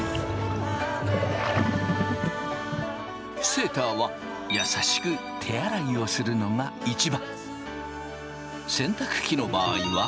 セーターは優しく手洗いをするのが一番。